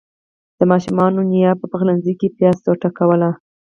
د ماشومانو نيا په پخلنځي کې پياز ټوټه کول.